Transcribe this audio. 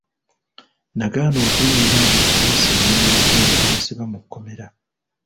Nagaana okuyimirira nga poliisi ennyimirizza ne bansiba mu kkomera.